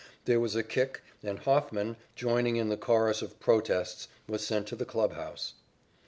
There was a kick, and Hofman, joining in the chorus of protests, was sent to the clubhouse.